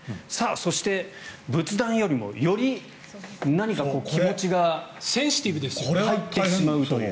そして、仏壇よりもより何か気持ちが入ってしまうという。